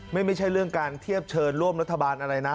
ไม่ใช่เรื่องการเทียบเชิญร่วมรัฐบาลอะไรนะ